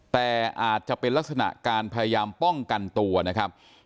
แต่อาจจะเป็นลักษณะการพยายามป้องกันตัวนะครับ